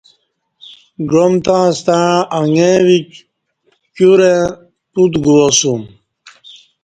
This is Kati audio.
گعام تاستݩع اݣں ویک پکیورں پوت گوا سوم